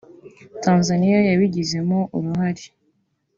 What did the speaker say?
Tanzaniya yabigizemo uruhare